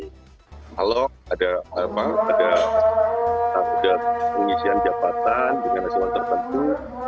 kalau ada pengisian jabatan dengan respon tertentu